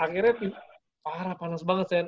akhirnya parah panas banget